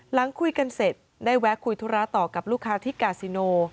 หลังคุยกันเสร็จได้แวะคุยธุระต่อกับลูกค้าที่กาซิโน